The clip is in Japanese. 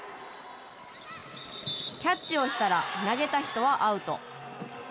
キャッチをしたら投げた人はアウト。